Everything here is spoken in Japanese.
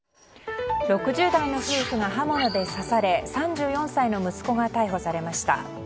６０代の夫婦が刃物で刺され３４歳の息子が逮捕されました。